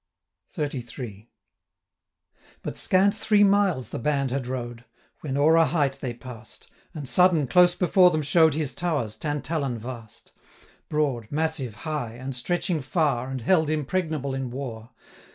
970 XXXIII. But scant three miles the band had rode, When o'er a height they pass'd, And, sudden, close before them show'd His towers, Tantallon vast; Broad, massive, high, and stretching far, 975 And held impregnable in war.